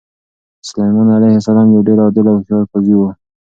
سلیمان علیه السلام یو ډېر عادل او هوښیار قاضي و.